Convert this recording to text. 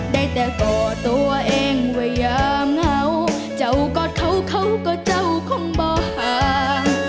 ได้แต่ก่อตัวเองว่ายามเหงาเจ้ากอดเขาเขาก็เจ้าคงบ่ห่าง